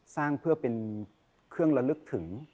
สร้างเพื่อเป็นเครื่องระลึกถึง